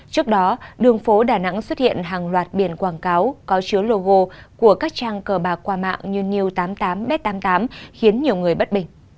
trước đó đường phố đà nẵng xuất hiện hàng loạt biển quảng cáo có chứa logo của các trang cờ bạc qua mạng như new tám mươi tám b tám mươi tám khiến nhiều người bất bình